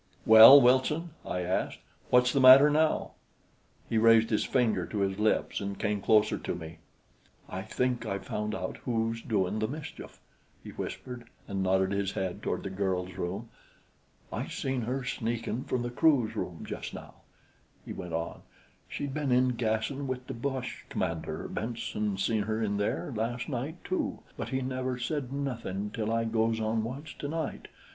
"Well, Wilson," I asked. "What's the matter now?" He raised his finger to his lips and came closer to me. "I think I've found out who's doin' the mischief," he whispered, and nodded his head toward the girl's room. "I seen her sneakin' from the crew's room just now," he went on. "She'd been in gassin' wit' the boche commander. Benson seen her in there las' night, too, but he never said nothin' till I goes on watch tonight.